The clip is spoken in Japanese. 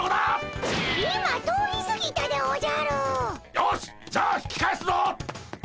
よしじゃあ引き返すぞ！